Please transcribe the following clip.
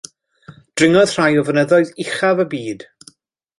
Dringodd rhai o fynyddoedd uchaf y byd.